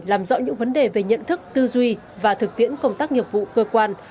làm rõ những vấn đề về nhận thức tư duy và thực tiễn công tác nghiệp vụ cơ quan